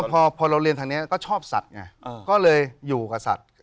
พอเราเรียนทางนี้ก็ชอบสัตว์ไงก็เลยอยู่กับสัตว์